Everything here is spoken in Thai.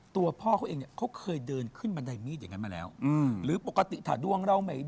ตัวพ่อเขาเองเนี่ยเขาเคยเดิน